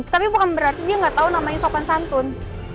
tapi bukan berarti dia gak tau namanya sopan santun